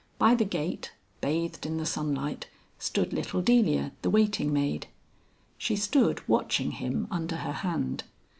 By the gate, bathed in the sunlight, stood little Delia, the waiting maid. She stood watching him under her hand.